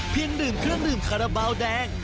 ดื่มเครื่องดื่มคาราบาลแดง